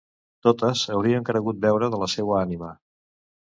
Totes haurien cregut beure de la seua ànima!